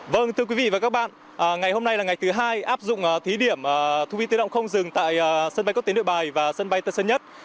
vâng thưa quý vị và các bạn ngày hôm nay là ngày thứ hai áp dụng thí điểm thu vi tự động không dừng tại sân bay quốc tế nội bài và sân bay tân sơn nhất